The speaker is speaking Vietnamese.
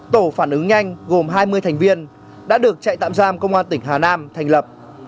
tổ phản ứng nhanh gồm hai mươi thành viên đã được trại tạm giam công an tỉnh hà nam thành lập